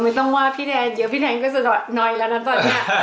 ไม่ต้องว่าพี่แดนเยอะพี่แดนก็สุดหน่อยแล้วนะตอนนี้